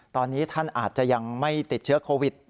ตอนนี้ท่านอาจจะยังไม่ติดเชื้อโควิด